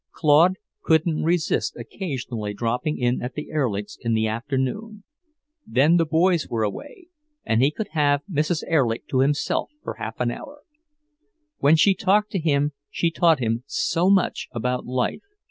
Claude couldn't resist occasionally dropping in at the Erlichs' in the afternoon; then the boys were away, and he could have Mrs. Erlich to himself for half an hour. When she talked to him she taught him so much about life.